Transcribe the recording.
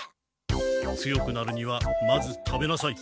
強くなるにはまず食べなさい。